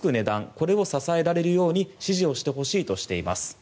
これを支えられるように支持をしてほしいとしています。